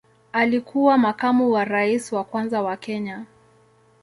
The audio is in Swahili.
Alikuwa makamu wa rais wa kwanza wa Kenya.